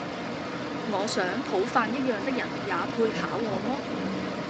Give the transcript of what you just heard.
我想，討飯一樣的人，也配考我麼？